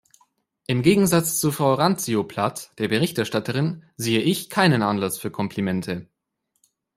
Im Gegensatz zu Frau Randzio-Plath, der Berichterstatterin, sehe ich keinen Anlass für Komplimente.